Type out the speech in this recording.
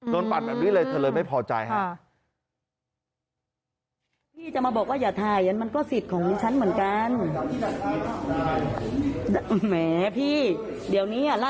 โดนปัดแบบนี้เลยเธอเลยไม่พอใจ